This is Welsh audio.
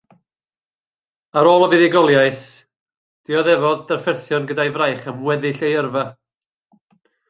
Ar ôl y fuddugoliaeth, dioddefodd drafferthion gyda'i fraich am weddill ei yrfa.